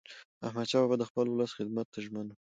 احمدشاه بابا د خپل ولس خدمت ته ژمن و.